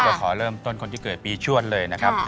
ก็ขอเริ่มต้นคนที่เกิดปีชวดเลยนะครับ